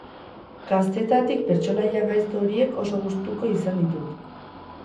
Gaztetatik pertsonaia gaizto horiek oso gustuko izan ditut.